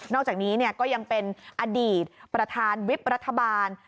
อกจากนี้ก็ยังเป็นอดีตประธานวิบรัฐบาล